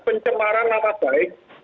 pencemaran mata baik